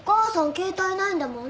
携帯ないんだもんね。